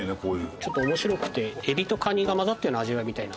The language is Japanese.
ちょっと面白くてエビとカニが混ざったような味わいみたいな。